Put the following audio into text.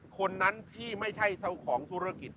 คนนั้นที่ไม่ใช่เจ้าของธุรกิจ